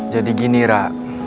jadi gini ra